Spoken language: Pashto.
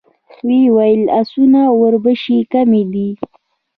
ويې ويل: د آسونو وربشې کمې دي.